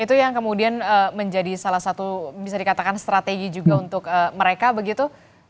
itu yang kemudian menjadi salah satu bisa dikatakan strategi juga untuk mereka begitu